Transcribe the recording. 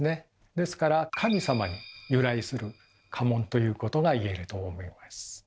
ですから神様に由来する家紋ということが言えると思います。